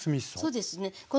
そうですね。